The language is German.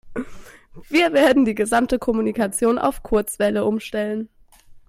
Wir werden die gesamte Kommunikation auf Kurzwelle umstellen.